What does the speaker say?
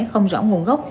không rõ nguồn gốc